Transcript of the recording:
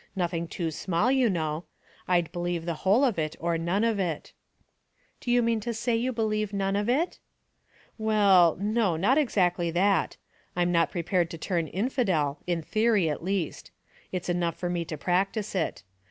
Nothing too small, you know. I'd believe the whole of it or none of it." "Do you mean to say j^ou believe none of it?" " Well, no, not exactly that. I'm not pre pared to turn Inndel, in theory at least. It's enough for me to practice it.